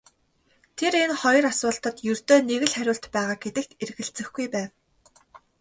Тэр энэ хоёр асуултад ердөө нэг л хариулт байгаа гэдэгт эргэлзэхгүй байв.